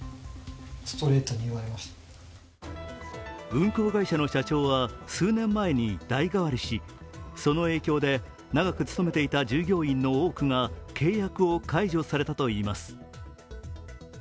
運航会社の社長は数年前に代替わりし、その影響で、長く勤めていた従業員の多くが契約を解除されたといいます。